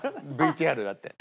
ＶＴＲがあって。